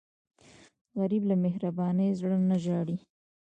غریب له مهربان زړه نه ژاړي